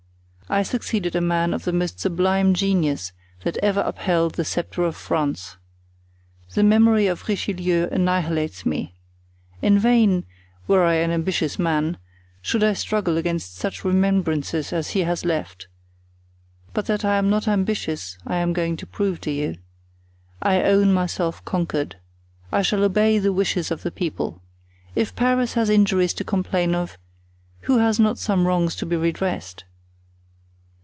I succeeded a man of the most sublime genius that ever upheld the sceptre of France. The memory of Richelieu annihilates me. In vain—were I an ambitious man—should I struggle against such remembrances as he has left; but that I am not ambitious I am going to prove to you. I own myself conquered. I shall obey the wishes of the people. If Paris has injuries to complain of, who has not some wrongs to be redressed?